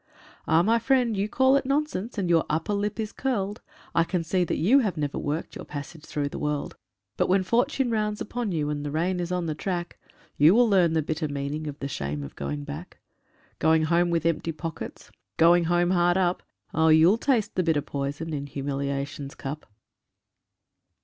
Ah! my friend, you call it nonsense, and your upper lip is curled, I can see that you have never worked your passage through the world; But when fortune rounds upon you and the rain is on the track, You will learn the bitter meaning of the shame of going back; Going home with empty pockets, Going home hard up; Oh, you'll taste the bitter poison in humiliation's cup.